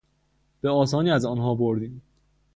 به آسانی از آنها بردیم.